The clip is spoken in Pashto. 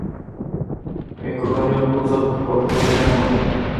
مېکاروني خو زه په خپل کور کې هم نه خورم.